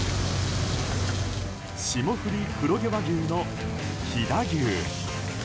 霜降り黒毛和牛の飛騨牛。